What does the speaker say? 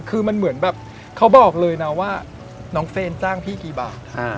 คือมันเหมือนแบบเขาบอกเลยนะว่าน้องเฟรนจ้างพี่กี่บาท